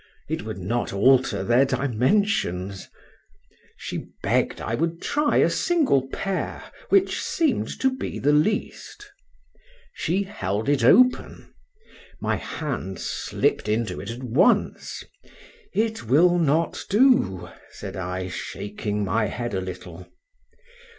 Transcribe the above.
—It would not alter their dimensions.—She begg'd I would try a single pair, which seemed to be the least.—She held it open;—my hand slipped into it at once.—It will not do, said I, shaking my head a little.